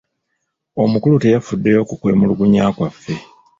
Omukulu teyafuddeyo ku kwemulugunya kwaffe.